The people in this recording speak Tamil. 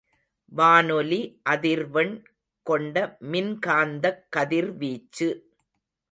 வானொலி அதிர்வெண் கொண்டமின்காந்தக் கதிர்வீச்சு.